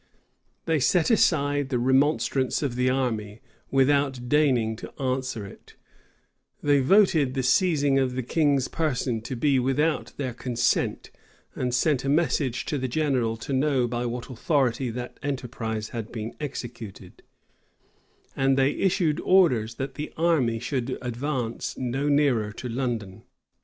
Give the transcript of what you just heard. They set aside the remonstrance of the army, without deigning to answer it; they voted the seizing of the king's person to be without their consent, and sent a message to the general, to know by what authority that enterprise had been executed; and they issued orders that the army should advance no nearer to London.